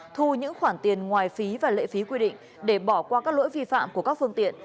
thu những khoản tiền ngoài phí và lệ phí quy định để bỏ qua các lỗi vi phạm của các phương tiện